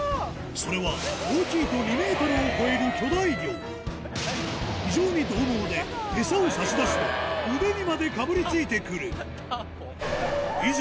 それは大きいと非常にどう猛で餌を差し出すと腕にまでかぶりついてくるいざ